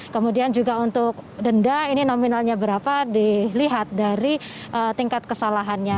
kemudian juga untuk denda ini nominalnya berapa dilihat dari tingkat kesalahannya